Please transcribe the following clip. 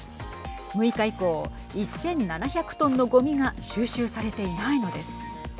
６日以降１７００トンのごみが収集されていないのです。